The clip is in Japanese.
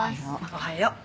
おはよう。